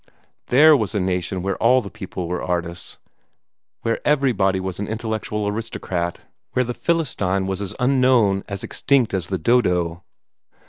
THERE was a nation where all the people were artists, where everybody was an intellectual aristocrat, where the Philistine was as unknown, as extinct, as the dodo.